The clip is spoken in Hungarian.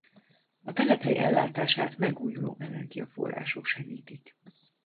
A telephely ellátását megújuló energiaforrások segítik.